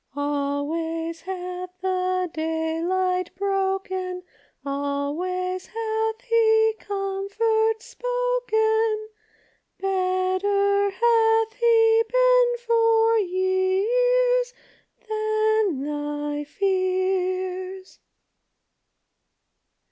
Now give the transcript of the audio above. Always hath the daylight broken — Always hath he comfort spoken — Better hath he been for years, Than thy fears.